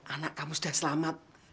anak kamu sudah selamat